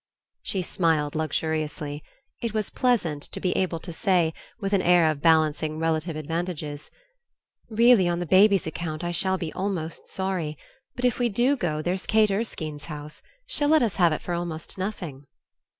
She smiled luxuriously: it was pleasant to be able to say, with an air of balancing relative advantages, "Really, on the baby's account I shall be almost sorry; but if we do go, there's Kate Erskine's house... she'll let us have it for almost nothing...."